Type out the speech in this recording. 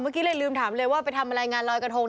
เมื่อกี้เลยลืมถามเลยว่าไปทำอะไรงานลอยกระทง